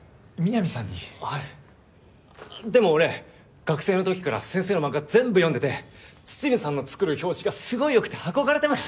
はいでも俺学生のときから先生のマンガ全部読んでて筒見さんの作る表紙がすごい良くて憧れてました！